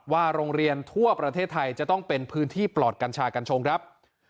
ว่าโรงเรียนทั่วประเทศไทยจะต้องเป็นพื้นที่ปลอดกัญชากัญชงครับ